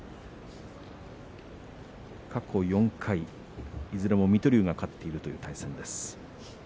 過去４回、いずれも水戸龍が勝っているという対戦です。